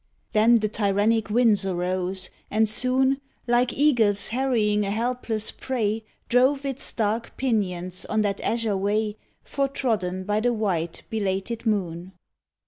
Then the tyrannic winds arose, and soon, Like eagles harrying a helpless prey, Drove its dark pinions on that azure way Foretrodden by the white, belated moon.